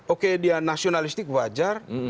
oke dia nasionalistik wajar